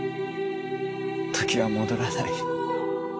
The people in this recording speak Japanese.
時は戻らない。